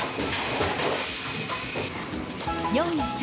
よいしょ！